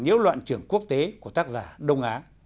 nhiễu loạn trường quốc tế của tác giả đông á